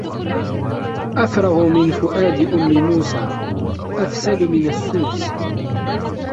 أفرغ من فؤاد أم موسى أفسد من السوس